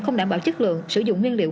không đảm bảo chất lượng sử dụng nguyên liệu